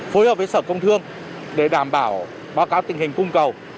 phối hợp với sở công thương để đảm bảo báo cáo tình hình cung cầu